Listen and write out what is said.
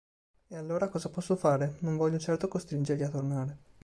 E allora cosa posso fare, non voglio certo costringerli a tornare".